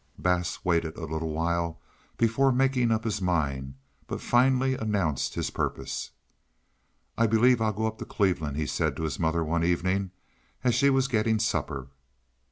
Bass waited a little while before making up his mind, but finally announced his purpose. "I believe I'll go up to Cleveland," he said to his mother one evening as she was getting supper.